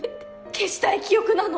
消したい記憶なの？